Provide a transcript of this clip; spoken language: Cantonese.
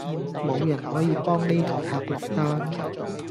無人可以幫呢枱客落單